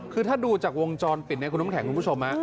คือถ้าดูจากวงจรปิดเนี่ยคุณน้ำแข็งคุณผู้ชม